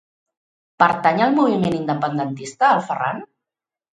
Pertany al moviment independentista el Ferran?